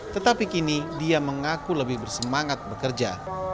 tetapi kini dia mengaku lebih bersemangat bekerja